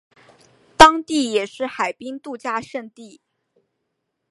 当地也是海滨度假胜地。